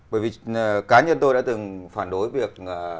bởi vì cá nhân tôi đã từng phản đối việc